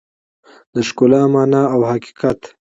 د ښکلا مانا او حقیقت